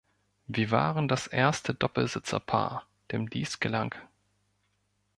Sie waren das erste Doppelsitzerpaar, dem dies gelang.